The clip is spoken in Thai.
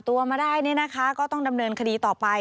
ตัวมาได้เนี่ยนะคะก็ต้องดำเนินคดีต่อไป